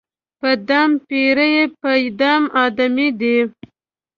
په دم پېریه، په دم آدمې دي